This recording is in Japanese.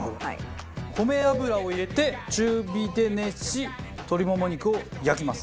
米油を入れて中火で熱し鶏もも肉を焼きます。